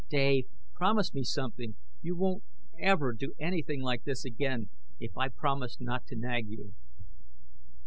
Dave, promise me something! You won't ever do anything like this again, if I promise not to nag you?"